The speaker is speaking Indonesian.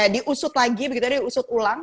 diusut lagi begitu diusut ulang